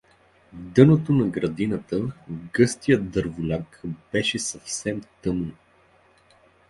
В дъното на градината, в гъстия дърволяк беше съвсем тъмно.